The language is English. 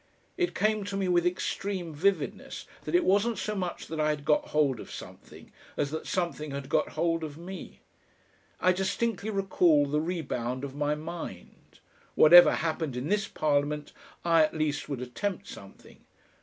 It came to me with extreme vividness that it wasn't so much that I had got hold of something as that something had got hold of me. I distinctly recall the rebound of my mind. Whatever happened in this Parliament, I at least would attempt something.